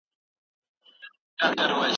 هغه به خپل ماخذونه پیدا کړي.